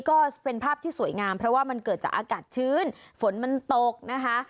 ก็เป็นภาพที่สวยงามเพราะว่ามันเกิดจากอากาศชื้นฝนมันตกนะคะ